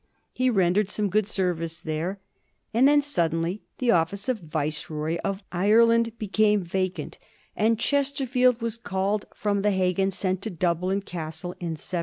He rendered some good service there ; and then suddenly the office of Viceroy of Ireland became vacant, and Chesterfield was called from the Hague and sent to Dublin Castle in 1745.